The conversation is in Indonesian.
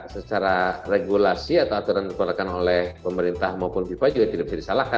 secara regulasi atau aturan dikeluarkan oleh pemerintah maupun viva juga tidak bisa disalahkan